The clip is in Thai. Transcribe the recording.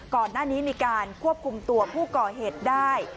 ก่อนหน้านี้มีการควบคุมตัวผู้ก่อเหตุได้